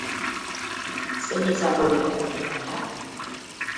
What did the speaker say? Zein izango dira kapitainak?